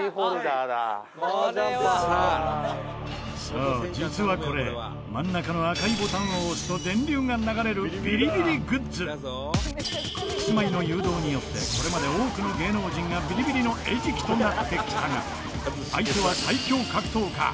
さあ、実は、これ真ん中の赤いボタンを押すと電流が流れるビリビリグッズキスマイの誘導によってこれまで多くの芸能人がビリビリの餌食となってきたが相手は最強格闘家。